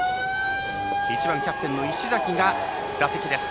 １番、キャプテンの石崎が打席です。